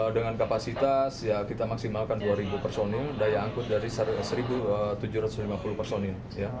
dengan kapasitas kita maksimalkan dua personil daya angkut dari satu tujuh ratus lima puluh personil